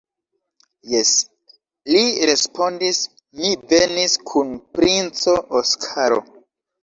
Jes, li respondis mi venis kun princo Oskaro.